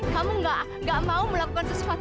kamu gak mau melakukan sesuatu